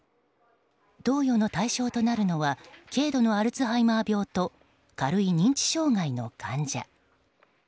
投与の対象となるのは軽度のアルツハイマー病と軽い認知障害の患者。